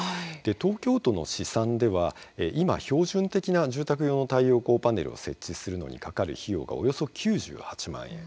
東京都の試算では、今標準的な住宅用の太陽光パネルを設置するのにかかる費用がおよそ９８万円。